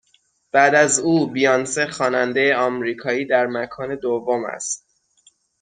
بعد از او بیانسه خواننده آمریکایی در مکان دوم است